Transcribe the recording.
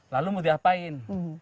lalu mau diapain